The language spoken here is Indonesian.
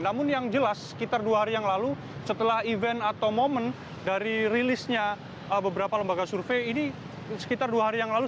namun yang jelas sekitar dua hari yang lalu setelah event atau momen dari rilisnya beberapa lembaga survei ini sekitar dua hari yang lalu